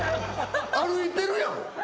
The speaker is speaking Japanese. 歩いてるやん。